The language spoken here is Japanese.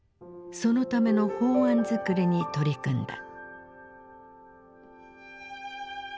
そのための法案作りに取り組んだ。